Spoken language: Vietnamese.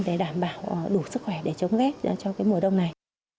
để đảm bảo đủ sức khỏe để chống rét cho mùa đông này